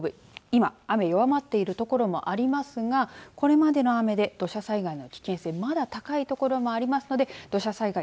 今、雨弱まっている所もありますがこれまでの雨で土砂災害の危険性まだ高い所がありますので土砂災害